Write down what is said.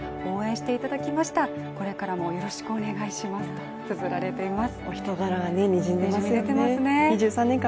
とつづられています。